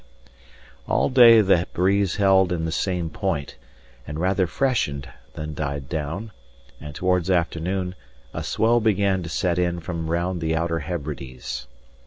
All day the breeze held in the same point, and rather freshened than died down; and towards afternoon, a swell began to set in from round the outer Hebrides.